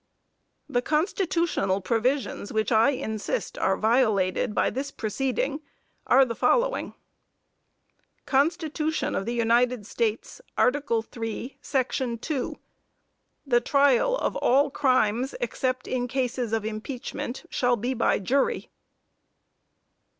The constitutional provisions which I insist are violated by this proceeding are the following: Constitution of the United States, article 3, section 2. "The trial of all crimes, except in cases of impeachment, shall be by jury."